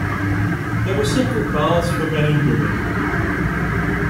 There were separate baths for men and women.